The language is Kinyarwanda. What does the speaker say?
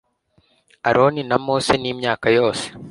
Aroni na Mose n Imyaka yose